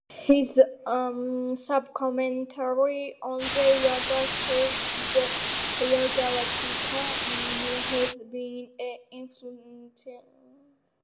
His sub-commentary on the Yoga Sutras, the "Yogavarttika," has been an influential work.